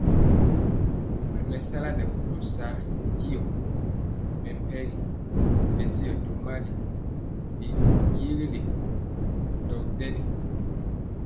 Bubuli bɛsala nɛ boro sa tyɛɔ mɛmpegi bɛndiɔ tomali biyeguelé dotytɛni.